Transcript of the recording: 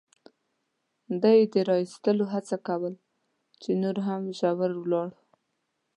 ده یې د را اېستلو هڅه کول، چې نور هم ژور ولاړ.